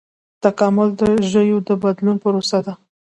تکامل د ژویو د بدلون پروسه ده